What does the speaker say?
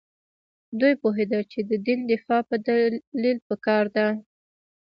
دوی پوهېدل چې د دین دفاع په دلیل پکار ده.